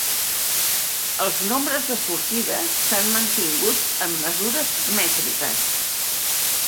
Els nombres de sortida s'han mantingut en mesures mètriques.